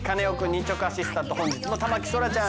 日直アシスタント本日も田牧そらちゃん。